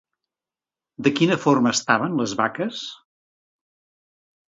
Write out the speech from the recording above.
De quina forma estaven les vaques?